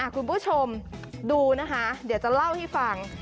คุณผู้ชมดูนะคะเดี๋ยวจะเล่าให้ฟัง